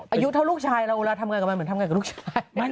อายุเท่าลูกชายเราเอาระทำไงกับมันทำไงกับลูกชาย